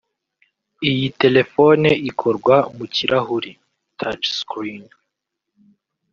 Iyi telefone ikorwa mu kirahuri (Touch Screen)